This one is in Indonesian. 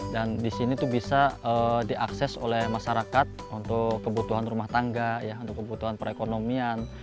dan disini tuh bisa diakses oleh masyarakat untuk kebutuhan rumah tangga untuk kebutuhan perekonomian